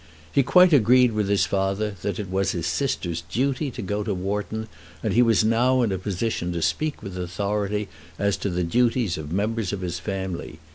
He quite agreed with his father that it was his sister's duty to go to Wharton, and he was now in a position to speak with authority as to the duties of members of his family.